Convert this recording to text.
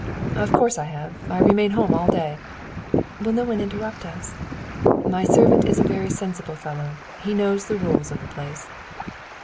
"Of course I have: I remain at home all day." "Will nobody interrupt us?" "My servant is a very sensible fellow, he knows the rules of the place."